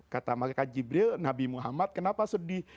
kata malaikat jibril nabi muhammad kenapa sedih